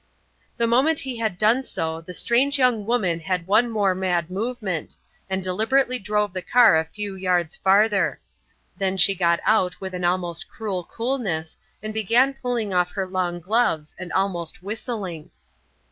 The moment he had done so the strange young woman had one more mad movement, and deliberately drove the car a few yards farther. Then she got out with an almost cruel coolness and began pulling off her long gloves and almost whistling.